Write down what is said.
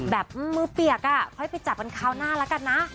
แบบมือเปียกค่อยไปจับกันคราวหน้าแล้วกันนะ